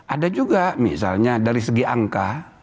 ada juga misalnya dari segi angka